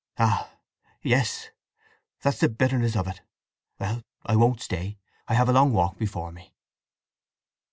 "Ah yes! That's the bitterness of it! Well, I won't stay. I have a long walk before me."